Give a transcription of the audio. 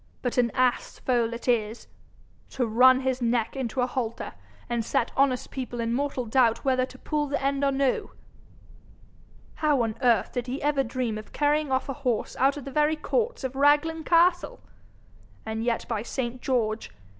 But an ass foal it is! To run his neck into a halter, and set honest people in mortal doubt whether to pull the end or no! How on earth did he ever dream of carrying off a horse out of the very courts of Raglan castle! And yet, by saint George!